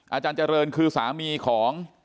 อาจารย์เจริญคือสามีของ